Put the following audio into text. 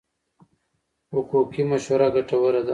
حقوقي مشوره ګټوره ده.